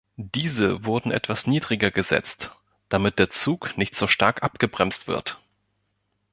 Diese wurden etwas niedriger gesetzt, damit der Zug nicht so stark abgebremst wird.